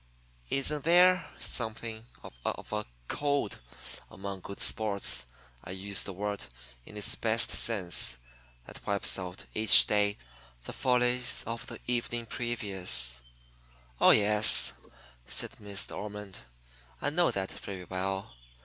Isn't there something of a 'code' among good 'sports' I use the word in its best sense that wipes out each day the follies of the evening previous?" "Oh yes," said Miss De Ormond. "I know that very well.